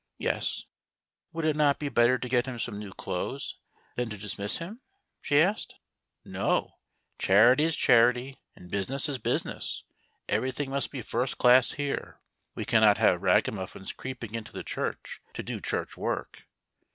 " Yes." "Would it not be better to get him some new clothes, than to dismiss him ?" she asked. " No. Charity is charity, and business is business. Everything must be first class here. We cannot have ragamuffins creeping into the church to do church work.